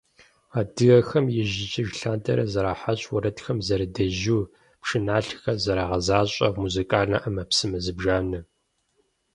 Адыгэхэм ижь-ижьыж лъандэрэ зэрахьащ уэрэдхэм зэрыдежьу, пшыналъэхэр зэрагъэзащӀэ музыкальнэ Ӏэмэпсымэ зыбжанэ.